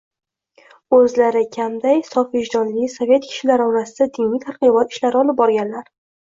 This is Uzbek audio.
O’zlari kamday, sof vijdonli sovet kishilari orasida diniy targ‘ibot ishlari olib borganlar.